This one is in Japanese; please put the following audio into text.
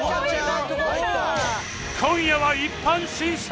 今夜は一般審査